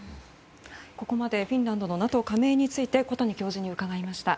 ここまでフィンランドのＮＡＴＯ加盟について小谷教授に伺いました。